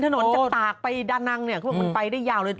ถนนจะดากไปดานังเขาบอกว่ามันไปได้ย่าเลย